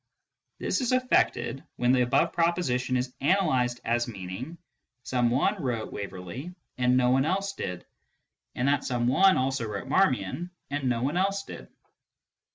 This is effected when the above proposition is analysed as meaning :" Some one wrote Waverley and no one else did, and that some one also wrote Marmion and no one else did."